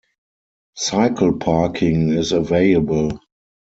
Cycle parking is available.